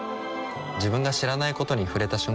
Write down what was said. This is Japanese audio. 自分が知らないことに触れた瞬間